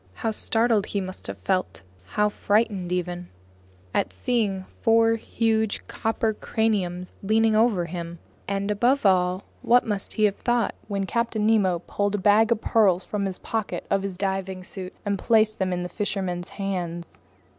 How startled he must have felt, how frightened even, at seeing four huge, copper craniums leaning over him! And above all, what must he have thought when Captain Nemo pulled a bag of pearls from a pocket in his diving suit and placed it in the fisherman's hands?